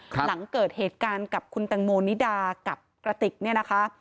หลังเกิดเหตุการณ์กับคุณตังโมนิดากับกระติกเนี่ยนะคะ